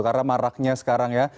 karena maraknya sekarang ya